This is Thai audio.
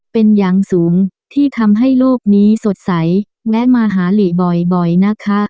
เป็นอย่างสูงที่ทำให้โลกนี้สดใสแวะมาหาหลีบ่อยนะคะ